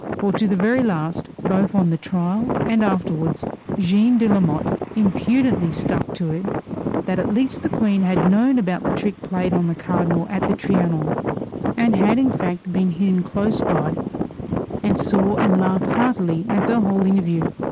For to the very last, both on the trial and afterwards, Jeanne de Lamotte impudently stuck to it that at least the Queen had known about the trick played on the Cardinal at the Trianon, and had in fact been hidden close by and saw and laughed heartily at the whole interview.